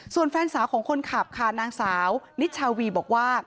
ส่วนแฟนสาวของคนขับค่ะนางสาวนิชชาวีบอกว่า